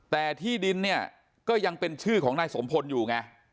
แต่ที่ดินเนี่ยก็ยังเป็นชื่อของนายสมพลอยู่ไง